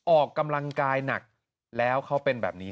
ออกกำลังกายหนักแล้วเขาเป็นแบบนี้